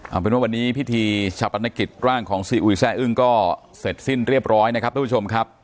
เอาเป็นว่าวันนี้พิธีชาปนกิจร่างของซีอุยแซ่อึ้งก็เสร็จสิ้นเรียบร้อยนะครับทุกผู้ชมครับ